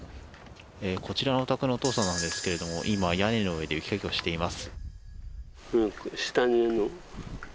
こちらのお宅のお父さんなんですが今、屋根の上で雪かきをしています。